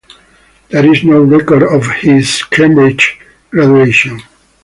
There is no record of his Cambridge graduation.